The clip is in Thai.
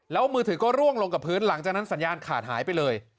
แล้วมือถือก็ร่วงลงกับพื้นหลังจากนั้นสัญญาณขาดหายไปเลย